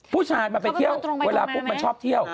ผู้ชายมันไปเที่ยวเวลาปุ๊บมันชอบเที่ยว